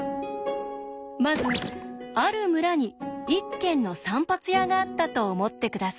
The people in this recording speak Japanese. まずある村に１軒の散髪屋があったと思って下さい。